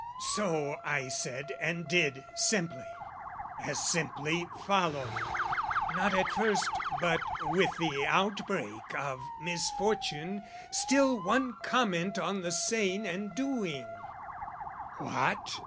So I said and did Simply. As simply followed, not at first But with the outbreak of misfortune, still One comment on the saying and doing "What?